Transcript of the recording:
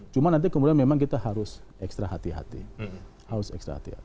cuma nanti memang kita harus ekstra hati hati